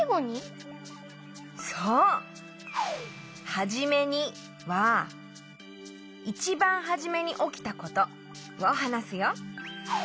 「はじめに」はいちばんはじめにおきたことをはなすよ。